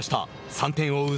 ３点を追う